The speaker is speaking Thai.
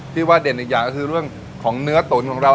ว่าเด่นอีกอย่างก็คือเรื่องของเนื้อตุ๋นของเรา